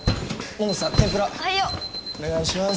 お願いします。